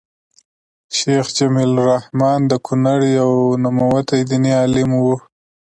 شيخ جميل الرحمن د کونړ يو نوموتی ديني عالم وو